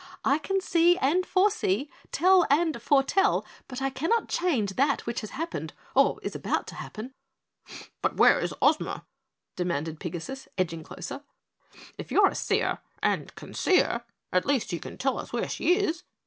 "I can see and foresee, tell and foretell, but I cannot change that which has happened or is about to happen." "But where is Ozma?" demanded Pigasus, edging closer. "If you are a seer and can see 'er, at least you can tell us where she is."